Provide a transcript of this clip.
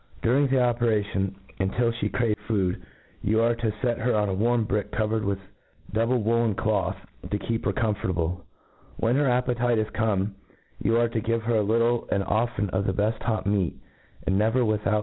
During the operation, and till fhe crave food^ you arc to fet her on a warm brick covered with double woolen cloth, to keep her comfortable* When her appetite 19 come, you are to give her a little, and often, of the beft hot meat, and never without fpm.